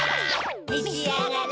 めしあがれ。